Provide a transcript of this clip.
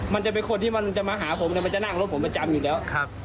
มันจะเป็นคนที่มันจะมาหาผมเนี่ยมันจะนั่งรถผมประจำอยู่แล้ว